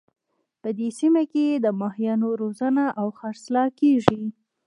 په دې سیمه کې د ماهیانو روزنه او خرڅلاو کیږي